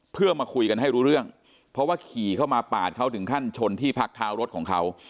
เพื่อมาคุยกันให้รู้เรื่องเพราะว่าขี่เข้ามาปาดเขาถึงขั้นชนที่พักเท้ารถของเขา